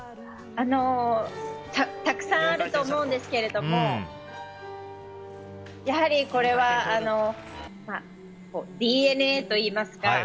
たくさんあると思うんですけどやはり、ＤＮＡといいますか。